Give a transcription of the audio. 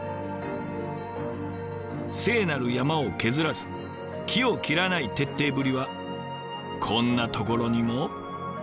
聖なる山を削らず木を切らない徹底ぶりはこんなところにも。